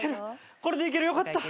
これでいけるよかった。